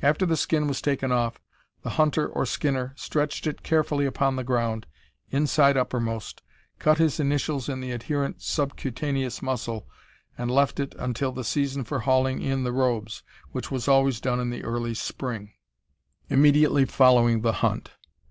After the skin was taken off the hunter or skinner stretched it carefully upon the ground, inside uppermost, cut his initials in the adherent subcutaneous muscle, and left it until the season for hauling in the robes, which was always done in the early spring, immediately following the hunt.